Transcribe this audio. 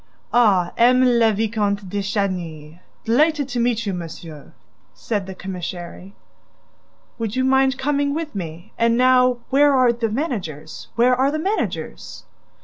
"Ah, M. le Vicomte de Chagny! Delighted to meet you, monsieur," said the commissary. "Would you mind coming with me? ... And now where are the managers? ... Where are the managers?"